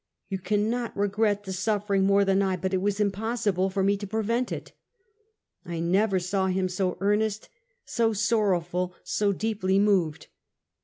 You cannot regret the suffering more than 1, but it was impossible for me to prevent it." I never saw him so earnest, so sorrowful, so deeply moved.